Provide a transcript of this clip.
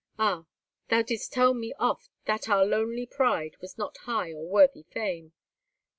Ah! thou didst tell me oft that our lonely pride was not high nor worthy fame.